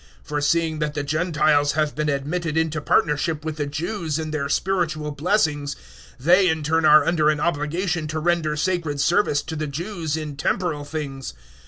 For seeing that the Gentiles have been admitted in to partnership with the Jews in their spiritual blessings, they in turn are under an obligation to render sacred service to the Jews in temporal things.